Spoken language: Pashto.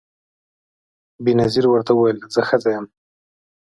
بېنظیر ورته وویل زه ښځه یم